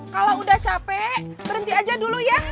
kalau udah capek berhenti aja dulu ya